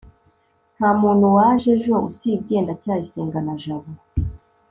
ntamuntu waje ejo usibye ndacyayisenga na jabo